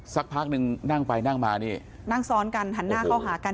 สักพักหนึ่งนั่งไปนั่งมานี่นั่งซ้อนกันหันหน้าเข้าหากัน